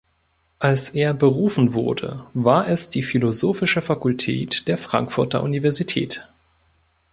Als er berufen wurde, war es die Philosophische Fakultät der Frankfurter Universität“.